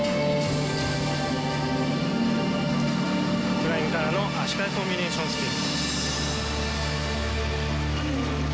フライングからの足換えコンビネーションスピン。